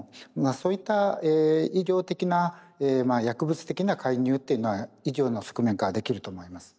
そういった医療的な薬物的な介入っていうのは医療の側面からできると思います。